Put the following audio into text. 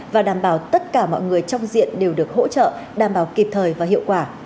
và đảm bảo tất cả mọi người trong diện đều được hỗ trợ đảm bảo kịp thời và hiệu quả